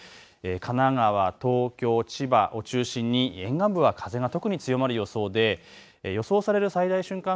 神奈川、東京、千葉を中心に沿岸部は風が特に強まる予想で予想される最大瞬間